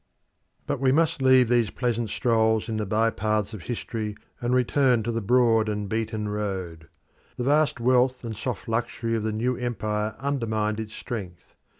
But we must leave these pleasant strolls in the bypaths of history and return to the broad and beaten road. The vast wealth and soft luxury of the New Empire undermined its strength.